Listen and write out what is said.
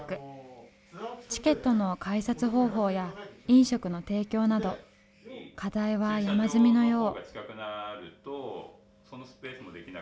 チケットの改札方法や飲食の提供など課題は山積みのよう。